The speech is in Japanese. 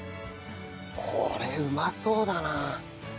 これうまそうだな。